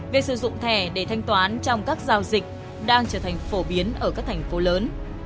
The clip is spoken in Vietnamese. việc sử dụng thẻ để thanh toán trong các giao dịch đang trở thành phổ biến ở các thành phố lớn